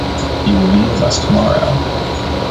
He will be with us tomorrow.